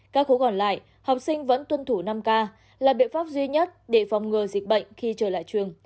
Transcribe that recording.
các khối còn lại học sinh vẫn tuân thủ năm k là biện pháp duy nhất để phòng ngừa dịch bệnh khi trở lại trường